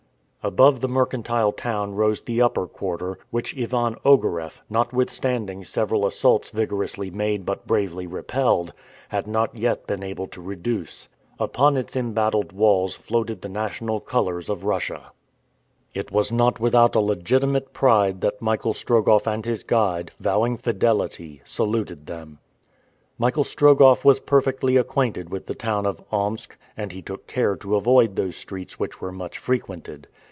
Above the mercantile town rose the upper quarter, which Ivan Ogareff, notwithstanding several assaults vigorously made but bravely repelled, had not yet been able to reduce. Upon its embattled walls floated the national colors of Russia. It was not without a legitimate pride that Michael Strogoff and his guide, vowing fidelity, saluted them. Michael Strogoff was perfectly acquainted with the town of Omsk, and he took care to avoid those streets which were much frequented.